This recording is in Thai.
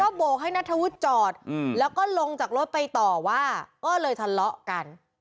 โบกให้นัทธวุฒิจอดแล้วก็ลงจากรถไปต่อว่าก็เลยทะเลาะกัน